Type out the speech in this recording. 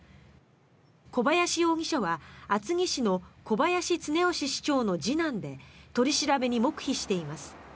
小林容疑者は厚木市の小林常良市長の次男で取り調べに黙秘しています。